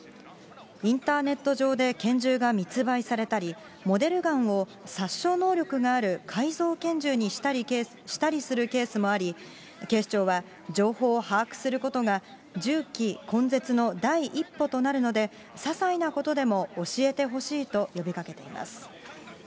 インターネット上で拳銃が密売されたり、モデルガンを殺傷能力がある改造拳銃にしたりするケースもあり、警視庁は情報を把握することが銃器根絶の第一歩となるので、ささいなことでも教えてほしいと呼びかけています。